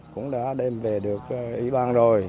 cũng đã đem về được ý ban rồi